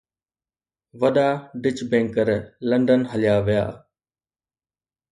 وڏا Dutch banker London هليا ويا